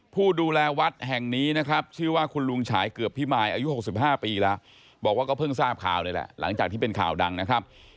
ผู้ดูแลวัดแห่งนี้นะครับชื่อว่าคุณลุงฉายเกือบพิมายอายุ๖๕ปีแล้วบอกว่าก็เพิ่งทราบข่าวเลยแหละหลังจากที่เป็นข่าวดังนะครับ